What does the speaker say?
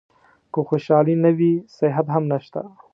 که خوشالي نه وي صحت هم نشته .